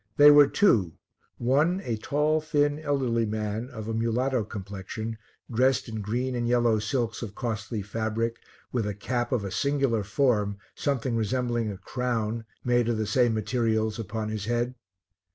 They were two, one a tall thin elderly man of a mulatto complexion, dressed in green and yellow silks of costly fabric, with a cap of a singular form, something resembling a crown, made of the same materials, upon his head.